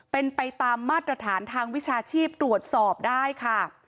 เป็นไปตามมาตรฐานทางวิชาชีพตรวจสอบได้ค่ะ